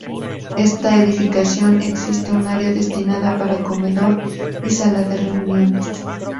Esta edificación existe un área destinada para comedor y sala de reuniones.